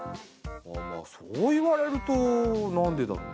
ああまあそう言われるとなんでだろうね？